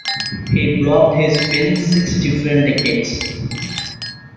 He blocked his fin six different decades.